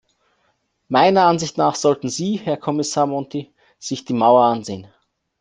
Meiner Ansicht nach sollten Sie, Herr Kommissar Monti, sich die Mauer ansehen.